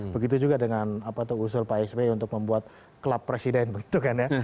begitu juga dengan apa tuh usul pak sby untuk membuat klub presiden begitu kan ya